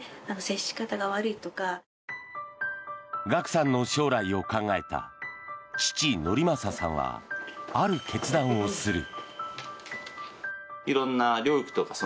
ＧＡＫＵさんの将来を考えた父・典雅さんはある決断をする。